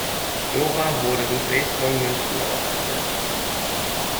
Dora wurde in Dresden und München ausgebildet.